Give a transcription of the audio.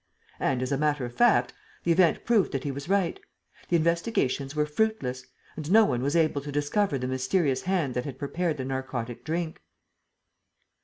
And, as a matter of fact, the event proved that he was right: the investigations were fruitless; and no one was able to discover the mysterious hand that had prepared the narcotic drink.